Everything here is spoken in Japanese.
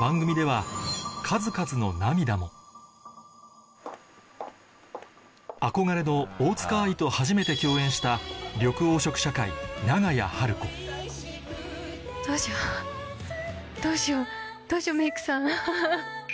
番組では数々の涙も憧れの大塚愛と初めて共演した緑黄色社会・長屋晴子どうしようメイクさんハハっ。